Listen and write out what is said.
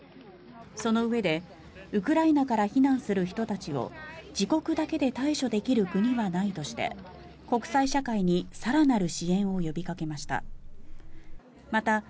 そのうえでウクライナから避難する人たちを自国だけで対処できる国はないとして国際社会に更なる支援を呼びかけました。